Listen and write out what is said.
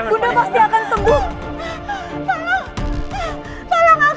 bunda pasti akan sembuh